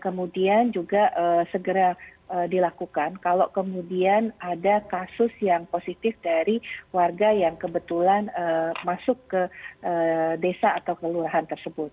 kemudian juga segera dilakukan kalau kemudian ada kasus yang positif dari warga yang kebetulan masuk ke desa atau kelurahan tersebut